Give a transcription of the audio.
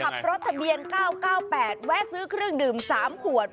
ทะเบียน๙๙๘แวะซื้อเครื่องดื่ม๓ขวด